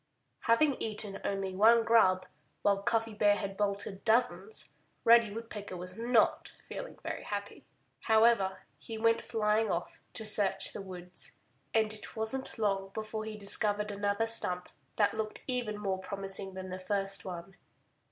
Having eaten only one grub, while Cuffy Bear had bolted dozens, Reddy Woodpecker was not feeling very happy. However, he went flying off to search the woods. And it wasn't long before he discovered another stump that looked even more promising than the first one.